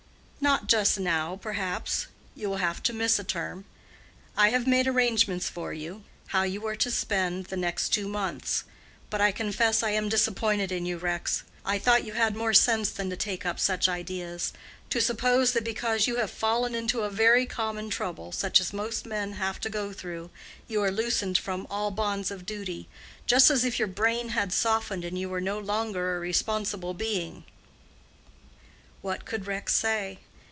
"Not just now, perhaps. You will have to miss a term. I have made arrangements for you—how you are to spend the next two months. But I confess I am disappointed in you, Rex. I thought you had more sense than to take up such ideas—to suppose that because you have fallen into a very common trouble, such as most men have to go through, you are loosened from all bonds of duty—just as if your brain had softened and you were no longer a responsible being." What could Rex say?